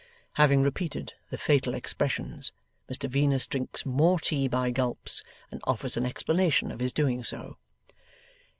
Having repeated the fatal expressions, Mr Venus drinks more tea by gulps, and offers an explanation of his doing so.